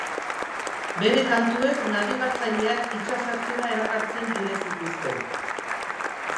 Bere kantuek nabigatzaileak itsas ertzera erakartzen bide zituzten.